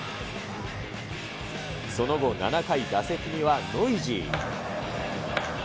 その後７回、打席にはノイジー。